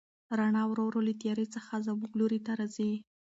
رڼا ورو ورو له تیارې څخه زموږ لوري ته راځي.